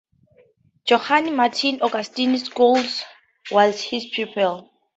Johann Martin Augustin Scholz was his pupil.